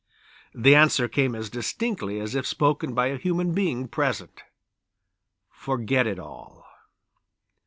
The answer came as distinctly as if spoken by a human being present: "Forget it all."